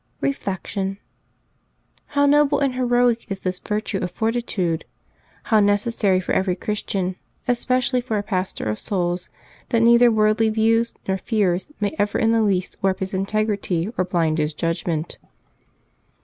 Reflection. — How noble and heroic is this virtue of forti tude ! how necessary for every Christian, especially for a pastor of souls, that neither worldly views nor fears may ever in the least warp his integrity or blind his judgment